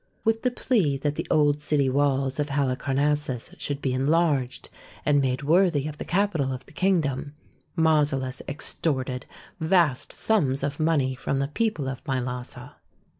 With the plea that the old city walls of Halicar nassus should be enlarged and made worthy of the capital of the kingdom, Mausolus extorted vast sums of money from the people of Mylasa.